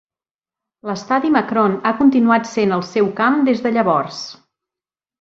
L'estadi Macron ha continuat sent el seu camp des de llavors.